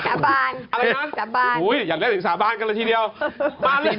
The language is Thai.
สาบานอะไรนะสาบานอุ้ยอย่าเล่นสิสาบานกันละทีเดียวมาเลย